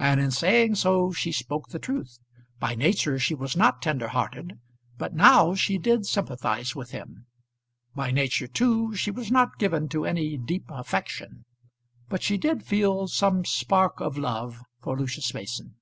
And in saying so she spoke the truth. By nature she was not tender hearted, but now she did sympathise with him. By nature, too, she was not given to any deep affection, but she did feel some spark of love for Lucius Mason.